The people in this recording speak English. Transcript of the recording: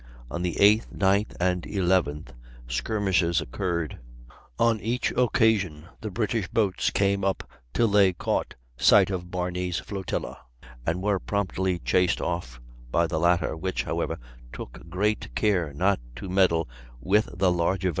On the 8th, 9th, and 11th skirmishes occurred; on each occasion the British boats came up till they caught sight of Barney's flotilla, and were promptly chased off by the latter, which, however, took good care not to meddle with the larger vessels.